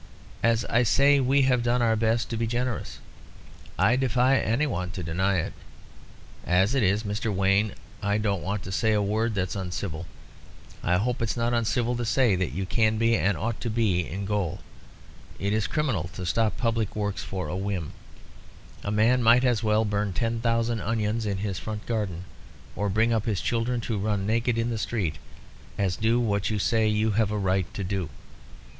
As I say, we've done our best to be generous; I defy any one to deny it. As it is, Mr. Wayne, I don't want to say a word that's uncivil. I hope it's not uncivil to say that you can be, and ought to be, in gaol. It is criminal to stop public works for a whim. A man might as well burn ten thousand onions in his front garden or bring up his children to run naked in the street, as do what you say you have a right to do.